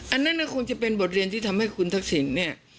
อันนั้นก็คงจะเป็นบทเรียนที่ทำให้คุณทักษิณเนี่ย